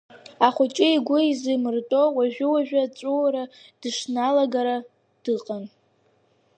Ахәыҷы игәы изыртәомызт, уажәы-уажәы аҵәуара дышналагара дыҟан.